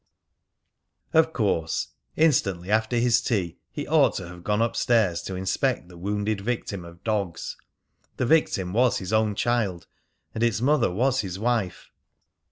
Of course, instantly after his tea he ought to have gone up stairs to inspect the wounded victim of dogs. The victim was his own child, and its mother was his wife.